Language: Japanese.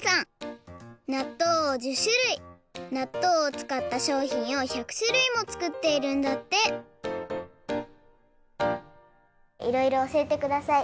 なっとうを１０しゅるいなっとうをつかったしょうひんを１００しゅるいもつくっているんだっていろいろおしえてください！